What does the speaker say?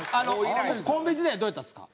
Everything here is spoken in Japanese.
コンビ時代どうやったんですか？